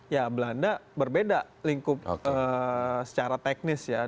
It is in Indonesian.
ya belanda berbeda lingkup secara teknis ya